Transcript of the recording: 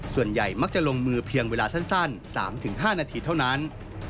ส่วนใหญ่มักจะลงมือเพียงเวลาสั้น๓๕นาทีเท่านั้น